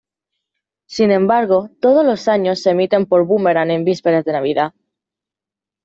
Sin embargo, todos los años se emiten por Boomerang en vísperas de navidad.